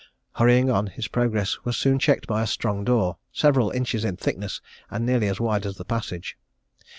Hurrying on, his progress was soon checked by a strong door, several inches in thickness and nearly as wide as the passage.